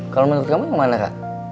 kalo menurut kamu yang mana kak